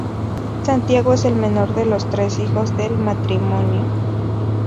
Santiago es el menor de los tres hijos del matrimonio.